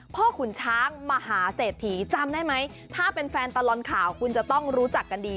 ขุนช้างมหาเศรษฐีจำได้ไหมถ้าเป็นแฟนตลอดข่าวคุณจะต้องรู้จักกันดี